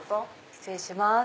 失礼します。